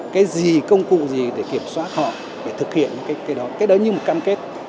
cái gì công cụ gì để kiểm soát họ để thực hiện những cái đó cái đó như một cam kết